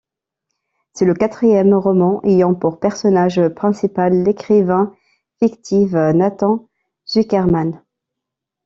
C'est le quatrième roman ayant pour personnage principal l'écrivain fictif Nathan Zuckerman.